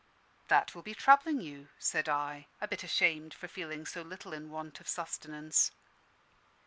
"That will be troubling you," said I, a bit ashamed for feeling so little in want of sustenance.